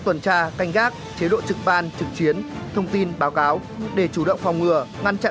tuần tra canh gác chế độ trực ban trực chiến thông tin báo cáo để chủ động phòng ngừa ngăn chặn